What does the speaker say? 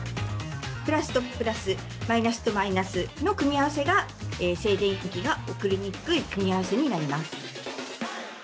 プラスとプラス、マイナスとマイナスの組み合わせが静電気が起きにくい組み合わせになります。